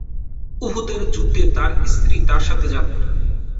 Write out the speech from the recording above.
উহুদের যুদ্ধে তার স্ত্রী তার সাথে যান।